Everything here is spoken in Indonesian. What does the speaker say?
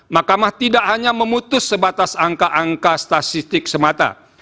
mahkamah tidak hanya memutus sebatas angka angka statistik semata